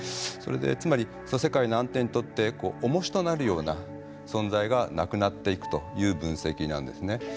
つまり世界の安定にとっておもしとなるような存在がなくなっていくという分析なんですね。